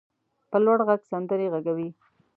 په لوړ غږ سندرې غږوي.